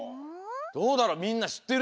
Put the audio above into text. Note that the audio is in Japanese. どうだろうみんなしってる？